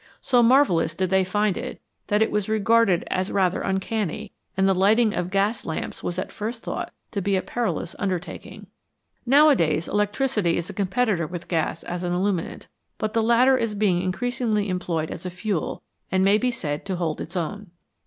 So marvellous did they find it, that it was regarded as rather uncanny, and the lighting of gas lamps was at first thought to be a perilous undertaking. Nowadays, electricity is a competitor with gas as an illuminant, but the latter is being increasingly employed as a fuel, and may be said to hold its own.